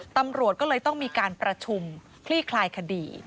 ตำรวจก็เลยต้องมีการประชุมคลี่คลายคดี